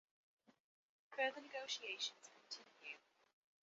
Further negotiations continue.